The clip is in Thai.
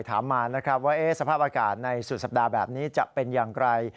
ถามมานะครับว่าสภาพอากาศในสุดสัปดาห์แบบนี้จะเป็นอย่างไร